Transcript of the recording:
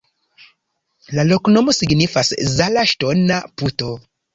La loknomo signifas: Zala-ŝtona-puto.